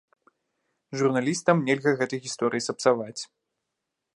Журналістам нельга гэтай гісторыі сапсаваць.